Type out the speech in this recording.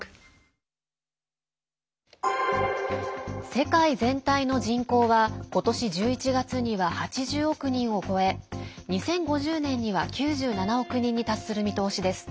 世界全体の人口はことし１１月には８０億人を超え２０５０年には９７億人に達する見通しです。